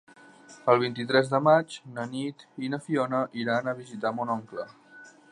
El vint-i-tres de maig na Nit i na Fiona iran a visitar mon oncle.